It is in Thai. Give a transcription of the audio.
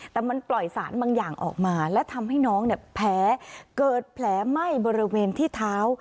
แต่มันปล่อยสารบางอย่างออกมาและทำให้น้องเนี่ยแผลเกิดแผลไหม้บริเวณที่เท้า